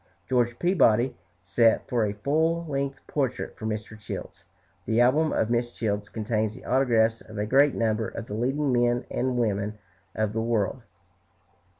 George Peabody sat for a full length portrait for Mr. Childs. The album of Mrs. Childs contains the autographs of a great number of the leading men and women of the world.